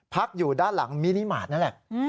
พักอยู่ด้านหลังมินิมาตร